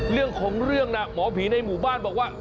เรื่องของเรื่องน่ะหมอผีในหมู่บ้านบอกว่า